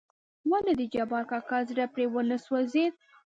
ولې دجبار کاکا زړه پرې ونه سوزېد .